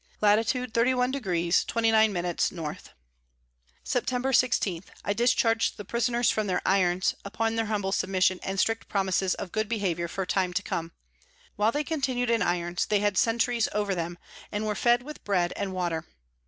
Latitude 31 deg. 29 min. N. Sept. 16. I discharg'd the Prisoners from their Irons, upon their humble Submission and strict Promises of good Behaviour for time to come. While they continu'd in Irons they had Centries over them, and were fed with Bread and Water.